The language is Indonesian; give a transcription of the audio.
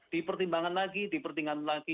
dipertimbangkan lagi dipertingkan lagi